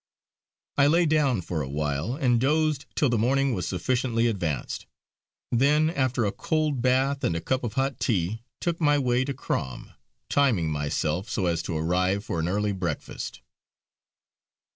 I lay down for a while and dozed till the morning was sufficiently advanced. Then after a cold bath and a cup of hot tea, took my way to Crom, timing myself so as to arrive for an early breakfast.